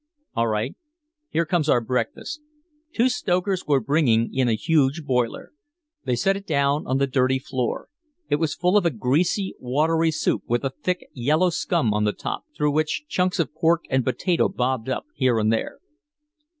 "All right, here comes our breakfast." Two stokers were bringing in a huge boiler. They set it down on the dirty floor. It was full of a greasy, watery soup with a thick, yellow scum on the top, through which chunks of pork and potato bobbed up here and there.